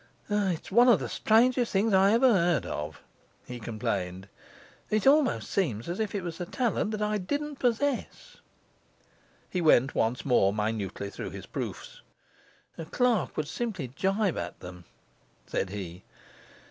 'It's one of the strangest things I ever heard of,' he complained. 'It almost seems as if it was a talent that I didn't possess.' He went once more minutely through his proofs. 'A clerk would simply gibe at them,' said he.